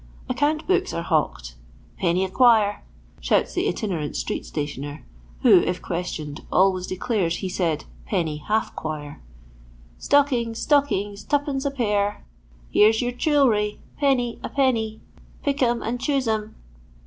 Account books are hawked. Penny a quire," shouts the itinerant street stationer (who, if questioned, always de clares he said Penny half quire ").Stockings, stockings, two pence a pair." '* Here *8 your chewl ry ; penny, a penny ; pick 'em and choose 'em."